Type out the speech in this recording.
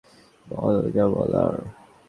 বলো, যা বলার।